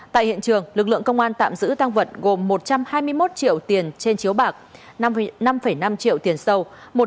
tại hiện trường lực lượng công an tạm giữ tăng vật gồm một trăm hai mươi một triệu tiền trên chiếu bạc năm năm triệu tiền sâu